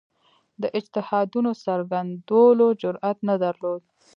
د اجتهادونو څرګندولو جرئت نه درلود